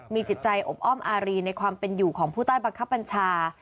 มีจิตใจอบอ้อมอารีในความเป็นอยู่ของผู้ใต้บังคับบัญชา